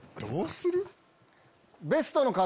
どうする？